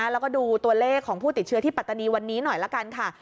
แล้วก็ดูตัวเลขของผู้ติดเชื้อที่ปัตตานีวันนี้หน่อยละกันค่ะ